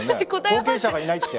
後継者がいないって。